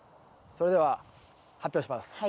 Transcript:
それでは発表します。